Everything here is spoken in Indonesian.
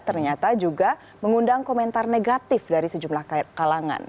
ternyata juga mengundang komentar negatif dari sejumlah kalangan